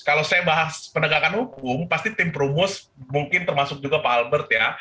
kalau saya bahas penegakan hukum pasti tim perumus mungkin termasuk juga pak albert ya